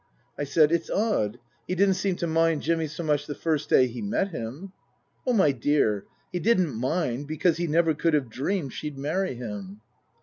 I said, " It's odd. He didn't seem to mind Jimmy so much the first day he met him." " Oh, my dear he didn't mind, because he never could have dreamed she'd marry him."